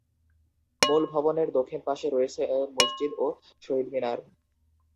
মূল ভবনের দক্ষিণ পাশে রয়েছে মসজিদ ও শহীদ মিনার।